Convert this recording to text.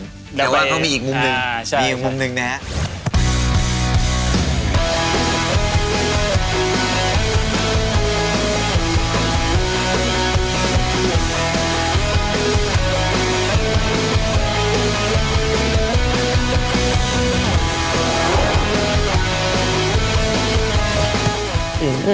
แต่ว่าก็มีอีกมุมหนึ่งมีอีกมุมหนึ่งนะครับ